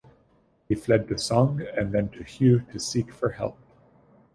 He fled to Song then to Yue to seek for help.